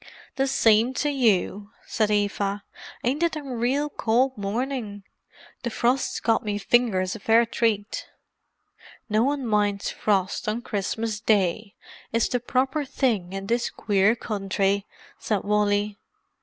"The sime to you," said Eva. "Ain't it a real cold morning? The frorst's got me fingers a fair treat." "No one minds frost on Christmas Day—it's the proper thing in this queer country!" said Wally.